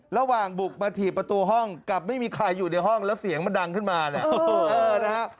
ระหว่างบุกมาถีบประตูห้องกลับไม่มีใครอยู่ในห้องแล้วเสียงมันดังขึ้นมาเนี่ยนะฮะ